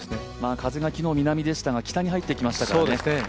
風は昨日南でしたが、北に入ってきましたからね。